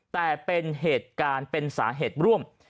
แต่เป็นเหตุการณ์เป็นสาเหตุร่วม